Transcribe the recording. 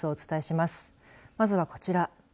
まずはこちら。